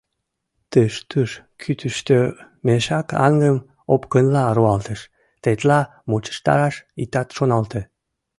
Тыш-туш кӱтыштӧ, мешак аҥым опкынла руалтыш — тетла мучыштараш итат шоналте.